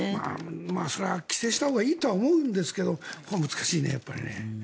それは規制したほうがいいとは思うんですけど難しいね、やっぱりね。